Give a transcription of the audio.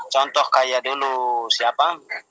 contoh kayak dulu siapa